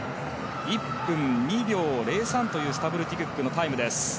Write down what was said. １分２秒０３というスタブルティ・クックのタイムです。